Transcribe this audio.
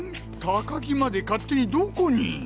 高木まで勝手にどこに！